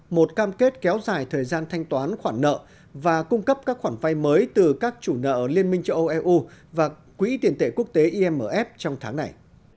một cam kết kéo dài thời gian thanh toán khoản nợ và cung cấp các khoản vay mới từ các chủ nợ liên minh châu âu eu và quỹ tiền tệ quốc tế imf trong tháng này